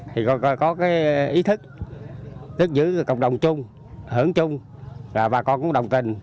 thì có cái ý thức tức giữ cộng đồng chung hưởng chung và bà con cũng đồng tình